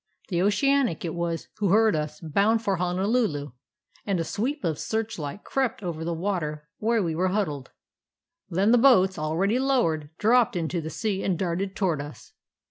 The Oceanic it was who heard us, bound for Honolulu, and a sweep of search light crept over the water where we were huddled. Then the boats, already lowered, dropped into the sea and darted toward us.